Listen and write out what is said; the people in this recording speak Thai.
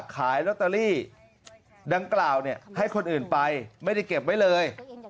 ขายลอตเตอรี่ดังกล่าวให้คนอื่นไปไม่ได้เก็บไว้เลย